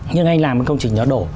nhưng anh làm cái công trình đó đổ